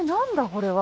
これは。